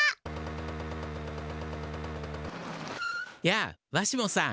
やあわしもさん。